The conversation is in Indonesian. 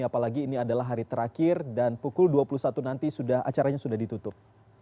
apalagi ini adalah hari terakhir dan pukul dua puluh satu nanti acaranya sudah ditutup